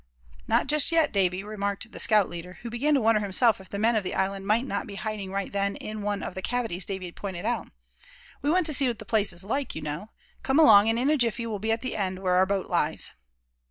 "Not just yet, Davy," remarked the scout leader; who began to wonder himself if the men of the island might not be hiding right then in one of the cavities Davy pointed out. "We want to see what the place is like, you know. Come along, and in a jiffy we'll be at the end where our boat lies."